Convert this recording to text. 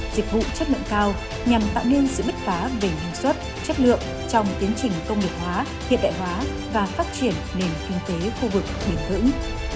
dịch vụ chất lượng cao nhằm tạo nên sự bứt phá về hình xuất chất lượng trong tiến trình công nghiệp hóa hiện đại hóa và phát triển nền kinh tế khu vực biển vững